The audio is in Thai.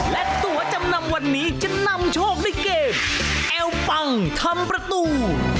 และตัวจำนำวันนี้จะนำโชคด้วยเกมเอวปังทำประตู